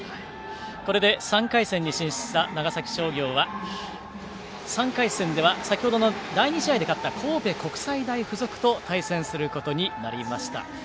これで３回戦に進出した長崎商業は、３回戦では先ほどの第２試合で勝った神戸国際大付属と対戦することになりました。